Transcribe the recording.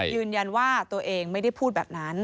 ยืนยันว่าตัวเองไม่ได้พูดแบบนั้น